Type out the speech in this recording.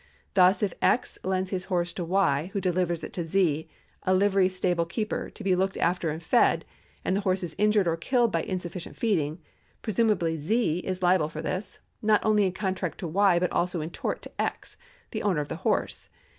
Thus, if X. lends his horse to Y., who delivers it to Z., a livery stable keeper, to be looked after and fed, and the horse is injured or killed by insufficient feeding, presumably Z. is liable for this, not only in contract to Y., but also in tort to X., the owner of the horse.